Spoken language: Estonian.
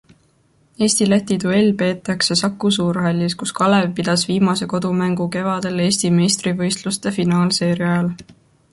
Eesti-Läti duell peetakse Saku suurhallis, kus Kalev pidas viimase kodumängu kevadel Eesti meistrivõistluste finaalseeria ajal.